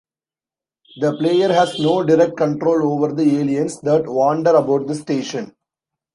The player has no direct control over the aliens that wander about the station.